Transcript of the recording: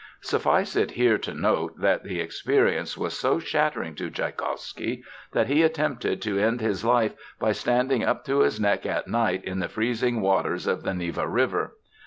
Suffice it here to note that the experience was so shattering to Tschaikowsky that he attempted to end his life by standing up to his neck at night in the freezing waters of the Neva River.